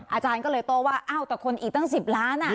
อาจารย์ก็เลยโต้ว่าอ้าวแต่คนอีกตั้ง๑๐ล้าน